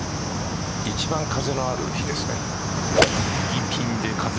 一番風のある日ですね。